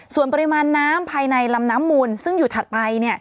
ส่วนปริมาณน้ำภายในลำน้ำมูลซึ่งอยู่ถัดไป